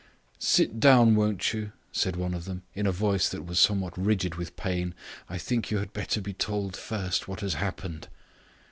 "Sit down, won't you?" said one of them, in a voice that was somewhat rigid with pain. "I think you had better be told first what has happened."